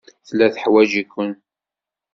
Tella teḥwaj-iken.